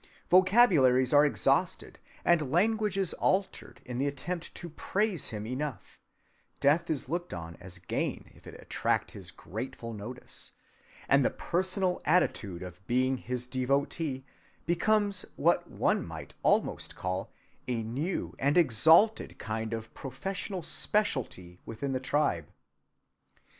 Vocabularies are exhausted and languages altered in the attempt to praise him enough; death is looked on as gain if it attract his grateful notice; and the personal attitude of being his devotee becomes what one might almost call a new and exalted kind of professional specialty within the tribe.